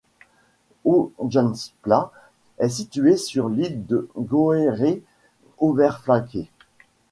Ooltgensplaat est situé sur l'île de Goeree-Overflakkee.